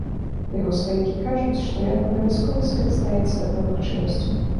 Яго сваякі кажуць, што ён абавязкова скарыстаецца такой магчымасцю.